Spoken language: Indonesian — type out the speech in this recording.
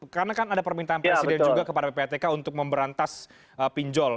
karena kan ada permintaan presiden juga kepada ppatk untuk memberantas pinjol